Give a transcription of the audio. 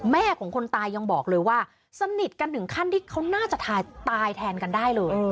แม่ของคนตายยังบอกเลยว่าสนิทกันถึงขั้นที่เขาน่าจะตายแทนกันได้เลย